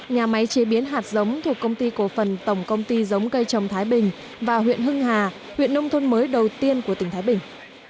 nhà máy chế biến hạt giống thuộc công ty cổ phần tổng công ty giống cây trồng thái bình và huyện hưng hà huyện nông thôn mới đầu tiên của tỉnh thái bình